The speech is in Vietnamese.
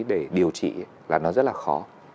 để điều trị là nó rất là khó